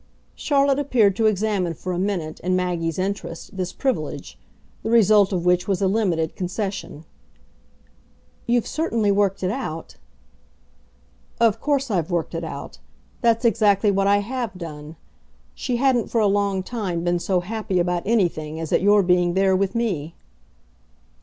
Charlotte appeared to examine for a minute, in Maggie's interest, this privilege the result of which was a limited concession. "You've certainly worked it out!" "Of course I've worked it out that's exactly what I HAVE done. She hadn't for a long time been so happy about anything as at your being there with me."